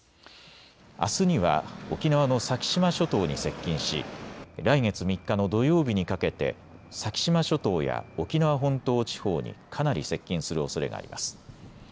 あすには沖縄の先島諸島に接近し来月３日の土曜日にかけて先島諸島や沖縄本島地方にかなり接近するおそれがあります。